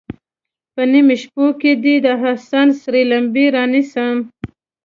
په نیمو شپو کې دې، د حسن سرې لمبې رانیسم